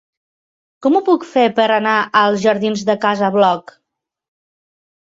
Com ho puc fer per anar als jardins de Casa Bloc?